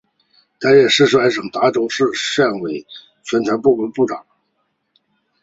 担任四川省达州市委宣传部部长。